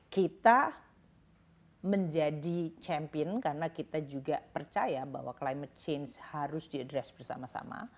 kita menjadi champion karena kita juga percaya bahwa climate change harus diadres bersama sama